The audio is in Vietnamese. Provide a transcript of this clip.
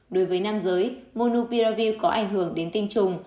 đối với nam giới molupiravi có ảnh hưởng đến tinh trùng